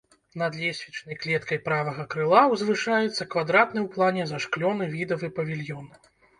Над лесвічнай клеткай правага крыла ўзвышаецца квадратны ў плане зашклёны відавы павільён.